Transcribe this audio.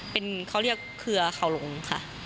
เป็นเขาเรียกเครือเขาหลงค่ะ